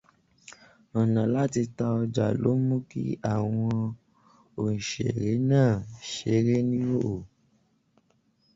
Ọ̀nà láti ta ọjà ló mú kí àwọn òǹṣèré máa ṣeré oníhòhò.